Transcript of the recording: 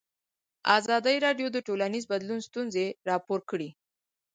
ازادي راډیو د ټولنیز بدلون ستونزې راپور کړي.